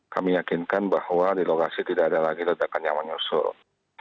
kami yakinkan bahwa di lokasi tidak ada lagi ledakan nyawa nyusul